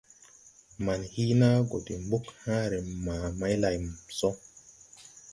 Man Hiina go de mbug hããre ma Maylamso.